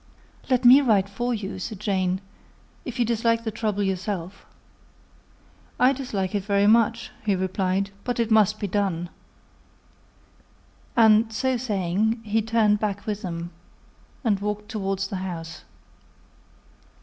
"Let me write for you," said Jane, "if you dislike the trouble yourself." "I dislike it very much," he replied; "but it must be done." And so saying, he turned back with them, and walked towards the house.